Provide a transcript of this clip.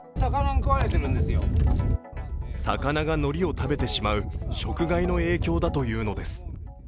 魚がのりを食べてしまう食害の影響だというのです。